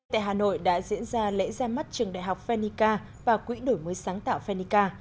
tại hà nội đã diễn ra lễ ra mắt trường đại học phenica và quỹ đổi mới sáng tạo phenica